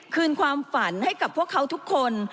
คืนความฝันให้กับพวกเขาทุกคน